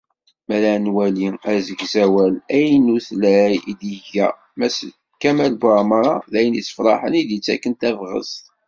Mi ara nwali asegzawal aynutlay i d-iga Mass Kamal Buεmara, d ayen issefraḥen, i d-ittaken tabɣest.